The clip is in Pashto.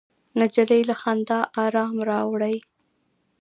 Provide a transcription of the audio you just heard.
نجلۍ له خندا ارام راوړي.